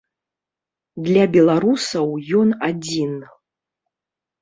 Для беларусаў ён адзін.